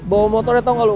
bawa motornya tau gak lo